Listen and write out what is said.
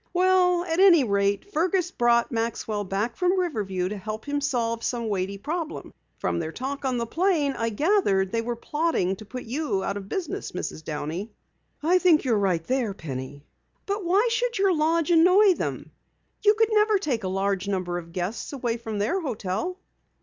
"Well, at any rate, Fergus brought Maxwell back from Riverview to help him solve some weighty problem. From their talk on the plane, I gathered they were plotting to put you out of business, Mrs. Downey." "I think you are right there, Penny." "But why should your lodge annoy them? You could never take a large number of guests away from their hotel."